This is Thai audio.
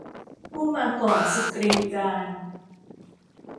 ผู้มาก่อนสุกรีกาล